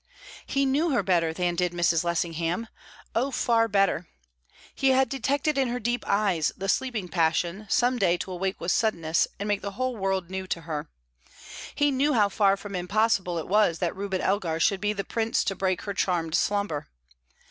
He knew her better than did Mrs. Lessingham; oh, far better! He had detected in her deep eyes the sleeping passion, some day to awake with suddenness and make the whole world new to her. He knew how far from impossible it was that Reuben Elgar should be the prince to break her charmed slumber.